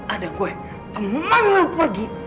ada gue kemang lo pergi